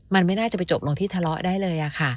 มันไม่น่าจะไปจบลงที่ทะเลาะได้เลยค่ะ